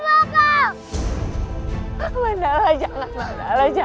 mandala jangan mandala jangan